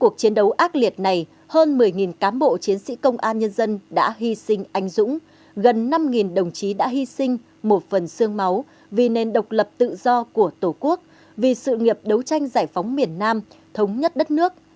cuộc chiến đấu ác liệt này hơn một mươi cán bộ chiến sĩ công an nhân dân đã hy sinh anh dũng gần năm đồng chí đã hy sinh một phần sương máu vì nền độc lập tự do của tổ quốc vì sự nghiệp đấu tranh giải phóng miền nam thống nhất đất nước